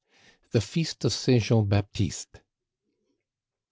THE FEAST OF ST. JEAN BAPTISTE.